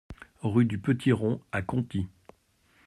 Rue du Petit Rond à Conty